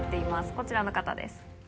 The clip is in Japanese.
こちらの方です。